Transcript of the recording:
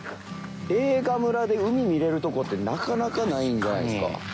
映画村で海見られるとこってなかなかないんじゃないですか？